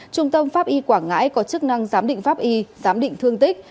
trung tâm pháp y quảng ngãi có chức năng giám định pháp y giám định thương tích